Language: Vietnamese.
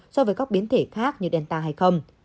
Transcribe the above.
so với các biến thể khác như delta hay không